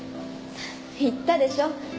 言ったでしょ？